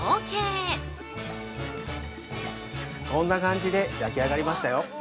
◆こんな感じで焼き上がりましたよ。